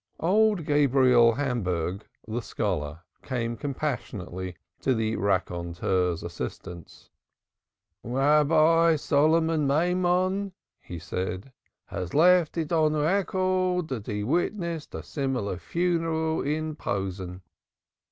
Old Gabriel Hamburg, the scholar, came compassionately to the raconteur's assistance. "Rabbi Solomon Maimon," he said, "has left it on record that he witnessed a similar funeral in Posen."